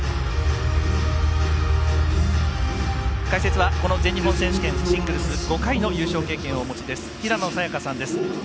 解説は、この全日本選手権シングルス５回の優勝経験をお持ちの平野早矢香さんです。